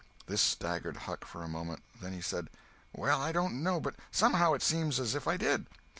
This staggered Huck for a moment. Then he said: "Well, I don't know—but somehow it seems as if I did."